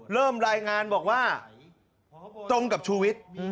เริ่มรายงานบอกว่าตรงกับชูวิทย์